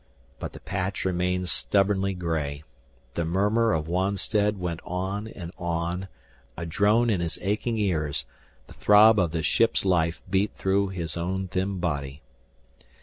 But the patch remained stubbornly gray, the murmur of Wonstead went on and on, a drone in his aching ears, the throb of the ship's life beat through his own thin body.